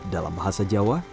dalam bahasa jawa